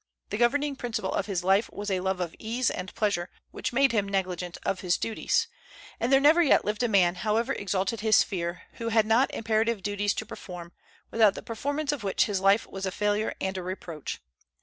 The governing principle of his life was a love of ease and pleasure, which made him negligent of his duties; and there never yet lived a man, however exalted his sphere, who had not imperative duties to perform, without the performance of which his life was a failure and a reproach.